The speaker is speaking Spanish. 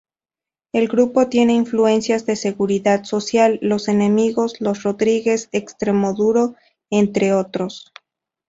El grupo tiene influencias de Seguridad Social, Los Enemigos, Los Rodríguez, Extremoduro, entre otros.